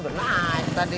belum naik tadi